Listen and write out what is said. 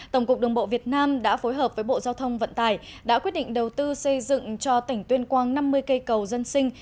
tổng cục đường bộ việt nam đã phối hợp với bộ giao thông vận tải đã quyết định đầu tư xây dựng cho tỉnh tuyên quang năm mươi cây cầu dân sinh